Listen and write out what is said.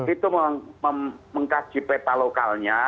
itu mengkasih peta lokalnya